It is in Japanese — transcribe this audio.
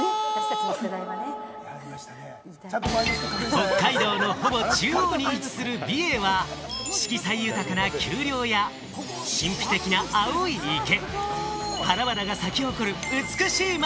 北海道のほぼ中央に位置する美瑛は、色彩豊かな丘陵や、神秘的な青い池、花々が咲き誇る美しい街。